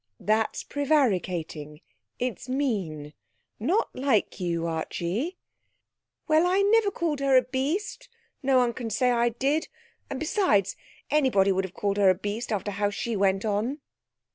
'That's prevaricating; it's mean not like you, Archie.' 'Well, I never called her a beast. No one can say I did. And besides, anybody would have called her a beast after how she went on.'